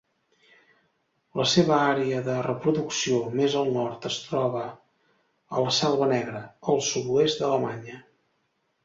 La seva àrea de reproducció més al nord es troba a la Selva Negra, al sud-oest d'Alemanya.